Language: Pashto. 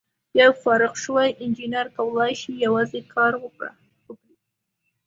یو فارغ شوی انجینر کولای شي یوازې کار وکړي.